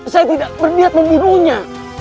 saya tidak berani membunuhnya